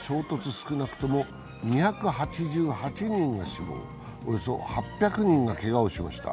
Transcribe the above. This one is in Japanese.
少なくとも２８８人が死亡、およそ８００人がけがをしました。